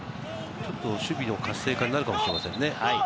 守備の活性化になるかもしれませんね。